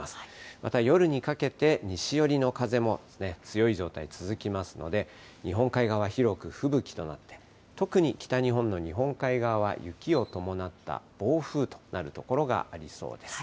また夜にかけて、西寄りの風も強い状態続きますので、日本海側、広く吹雪となって、特に北日本の日本海側は、雪を伴った暴風となる所がありそうです。